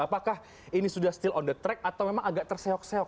apakah ini sudah still on the track atau memang agak terseok seok